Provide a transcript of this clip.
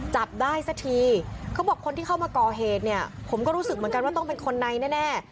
จับได้สักทีเขาบอกคนที่เข้ามาก่อเหตุเนี่ยผมก็รู้สึกเหมือนกันว่าต้องเป็นคนในแน่